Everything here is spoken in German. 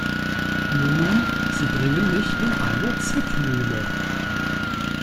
Nun, Sie bringen mich in eine Zwickmühle.